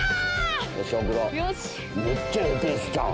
めっちゃええペースちゃう？